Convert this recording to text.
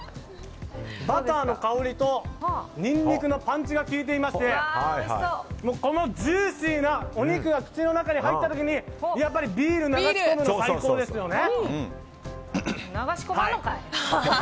バターの香りとニンニクのパンチが効いていましてこのジューシーなお肉が口の中に入った時にやっぱりビール流し込むのは最高ですよね。